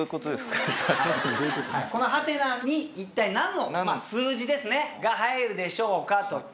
このハテナに一体何の数字が入るでしょうかと。